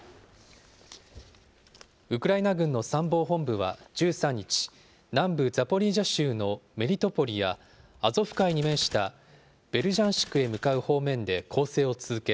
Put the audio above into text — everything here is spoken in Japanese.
ウクライナ軍の参謀本部は１３日、南部ザポリージャ州のメリトポリや、アゾフ海に面したベルジャンシクへ向かう方面で攻勢を続け、